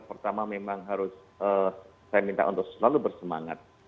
pertama memang harus saya minta untuk selalu bersemangat